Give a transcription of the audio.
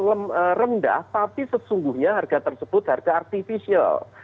harga rendah tapi sesungguhnya harga tersebut harga artificial